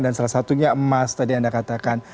dan salah satunya emas tadi anda katakan